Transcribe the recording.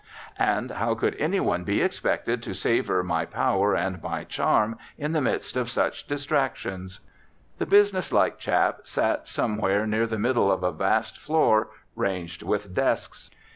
And how could any one be expected to savour my power and my charm in the midst of such distractions? The business like chap sat somewhere near the middle of a vast floor ranged with desks.